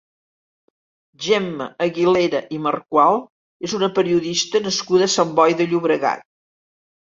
Gemma Aguilera i Marcual és una periodista nascuda a Sant Boi de Llobregat.